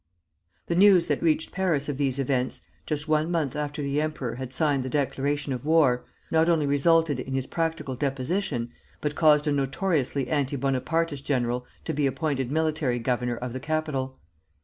The news that reached Paris of these events (just one month after the emperor had signed the declaration of war) not only resulted in his practical deposition, but caused a notoriously anti Bonapartist general to be appointed military governor of the capital.